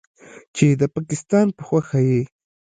چې د پکستان په خوښه یې